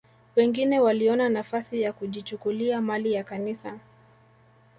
Wengine waliona nafasi ya kujichukulia mali ya Kanisa